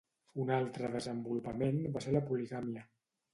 Un altre desenvolupament va ser la poligàmia.